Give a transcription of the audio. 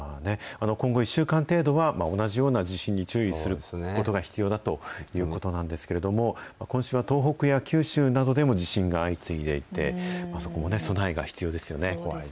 今後１週間程度は、同じような地震に注意することが必要だということなんですけれども、今週は東北や九州などでも、地震が相次いそうですね。